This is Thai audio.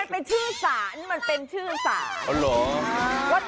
ไม่มันเป็นชื่อสารอันนี้มันเป็นชื่อสาร